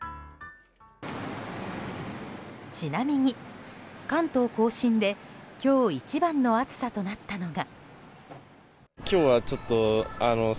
ちなみに関東・甲信で今日一番の暑さとなったのが。